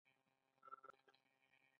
دوی د لمر لاندې کار کوي.